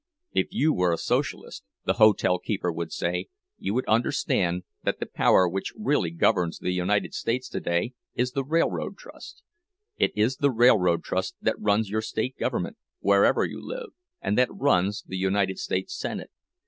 "If you were a Socialist," the hotel keeper would say, "you would understand that the power which really governs the United States today is the Railroad Trust. It is the Railroad Trust that runs your state government, wherever you live, and that runs the United States Senate.